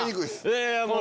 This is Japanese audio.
いやいやもう。